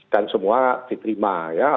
dan semua diterima